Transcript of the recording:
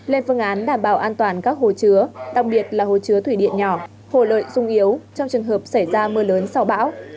lên phương án đảm bảo an toàn các hồ chứa đặc biệt là hồ chứa thủy điện nhỏ hồ lợi sung yếu trong trường hợp xảy ra mưa lớn sau bão